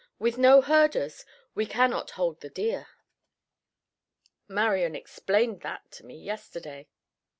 With no herders we cannot hold the deer. Marian explained that to me yesterday."